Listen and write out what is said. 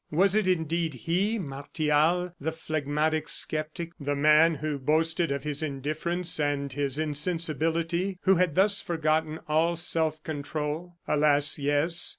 Was it indeed he, Martial, the phlegmatic sceptic, the man who boasted of his indifference and his insensibility, who had thus forgotten all self control? Alas, yes.